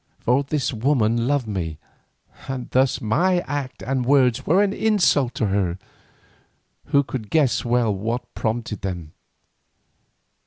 For this woman loved me, and thus my act and words were an insult to her, who could guess well what prompted them.